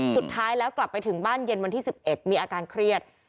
สุดท้ายแล้วกลับไปถึงบ้านเย็นวันที่๑๑มีอาการเครียด